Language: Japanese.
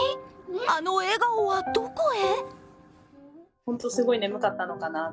あの笑顔はどこへ？